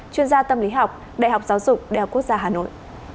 chuyên gia tâm lý học đại học giáo dục đại học quốc gia hà nội